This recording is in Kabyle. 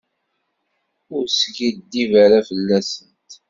Ur teskiddib ara fell-asent.